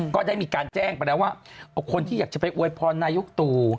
ก็ได้มีการแจ้งไปแล้วว่าคนที่อยากจะไปอวยพรนายกตู่